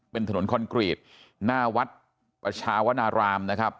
เป็นถนนคอนกรีตหน้าวัดประชาวนารามนะครับ